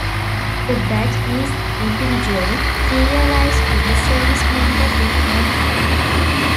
The badge is individually serialized to the service member who earned it.